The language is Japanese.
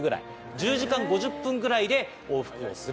１０時間５０分ぐらいで往復をすると。